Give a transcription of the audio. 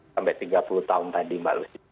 sampai tiga puluh tahun tadi mbak lucy